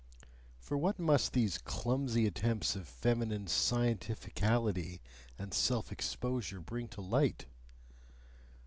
For what must these clumsy attempts of feminine scientificality and self exposure bring to light!